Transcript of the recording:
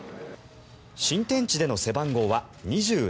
新天地での背番号は２７